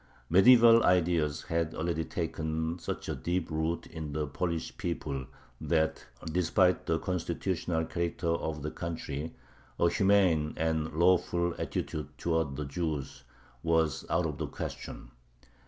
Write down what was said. Medieval ideas had already taken such deep root in the Polish people that, despite the constitutional character of the country, a humane and lawful attitude towards the Jews was out of the question.